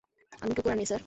আমি কুকুর আনিনি স্যার।